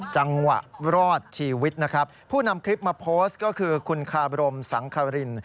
จังหวะรอดชีวิตนะครับผู้นำคลิปมาโพสต์ก็คือคุณคาบรมสังคริน